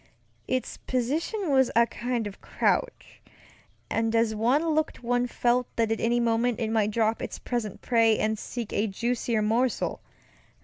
Its position was a kind of crouch, and as one looked one felt that at any moment it might drop its present prey and seek a juicier morsel.